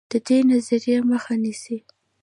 د دې نظریې مخه نیسي.